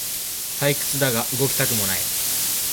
退屈だが動きたくもない